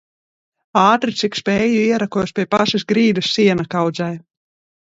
Ātri, cik spēju, ierakos pie pašas grīdas siena kaudzē.